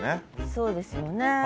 そうですよね。